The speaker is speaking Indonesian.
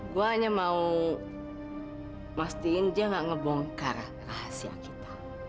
gue hanya mau mastiin dia gak ngebongkar rahasia kita